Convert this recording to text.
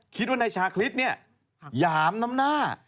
คิดว่านายชาคริสเนี่ยหยามน้ำหน้า